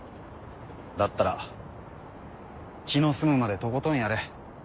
だったら気の済むまでとことんやれ。